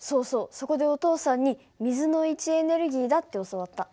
そこでお父さんに水の位置エネルギーだって教わった。